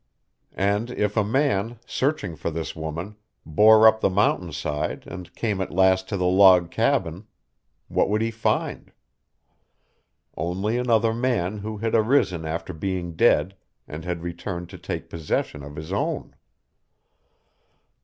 And if a man, searching for this woman, bore up the mountain side and came at last to the log cabin what would he find? Only another man who had arisen after being dead and had returned to take possession of his own!